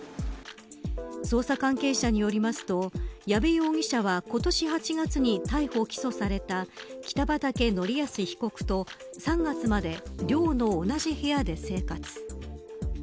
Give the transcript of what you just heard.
捜査関係者によりますと矢部容疑者は今年８月に逮捕・起訴された北畠成文被告と３月まで、寮の同じ部屋で生活。